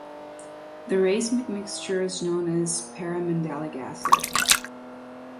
The racemic mixture is known as "paramandelic acid".